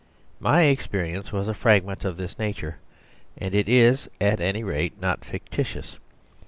My experience was a fragment of this nature, and it is, at any rate, not fictitious.